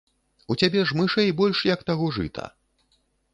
У цябе ж мышэй больш, як таго жыта.